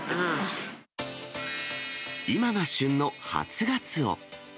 今が旬の初ガツオ。